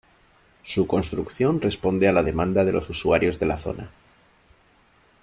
Su construcción responde a la demanda de los usuarios de la zona.